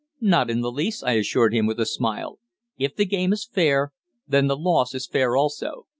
"Not in the least," I assured him, with a smile. "If the game is fair, then the loss is fair also.